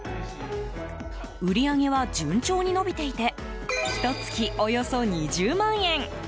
売り上げは順調に伸びていてひと月およそ２０万円。